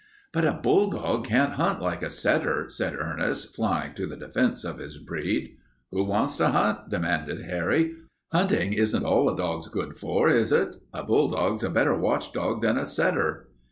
"But a bulldog can't hunt like a setter," said Ernest, flying to the defense of his breed. "Who wants to hunt?" demanded Harry. "Hunting isn't all a dog's for, is it? A bulldog's a better watchdog than a setter."